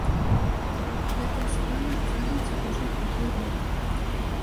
Гэтая справа цягнецца ўжо другі год.